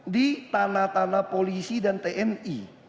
di tanah tanah polisi dan tni